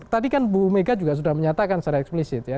tentu saja tadi kan bu megah juga sudah menyatakan secara eksplisit ya